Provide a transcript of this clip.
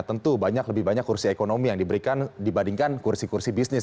tentu lebih banyak kursi ekonomi yang diberikan dibandingkan kursi kursi bisnis